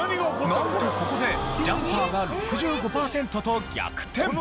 なんとここでジャンパーが６５パーセントと逆転。